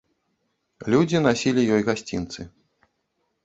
Людзі насілі ёй гасцінцы.